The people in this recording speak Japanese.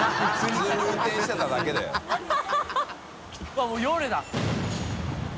わっもう夜だ。